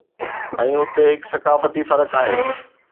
۽ اتي هڪ ثقافتي فرق آهي